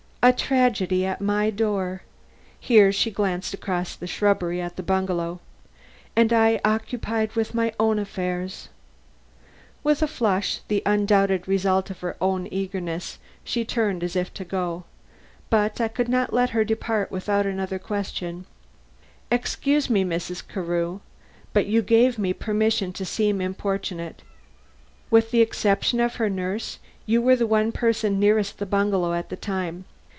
A tragedy at my door" here she glanced across the shrubbery at the bungalow "and I occupied with my own affairs!" With a flush, the undoubted result of her own earnestness, she turned as if to go. But I could not let her depart without another question: "Excuse me, Mrs. Carew, but you gave me permission to seem importunate. With the exception of her nurse, you were the one person nearest the bungalow at the time.